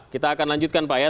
kita akan lanjutkan pak ya